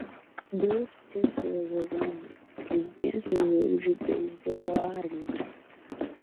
Duas pessoas jogando um intenso jogo de beisebol ao ar livre.